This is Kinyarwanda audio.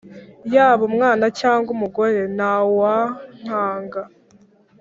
Yaba umwana cyangwa umugore, ntawankanga